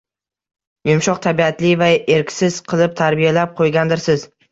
yumshoq tabiatli va erksiz qilib tarbiyalab qo‘ygandirsiz.